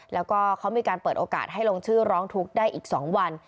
แล้วก็เขามีการเปิดโอกาสให้ลงชื่อร้องทุกข์ได้อีก๒วัน